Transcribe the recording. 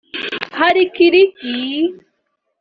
Kalikiliki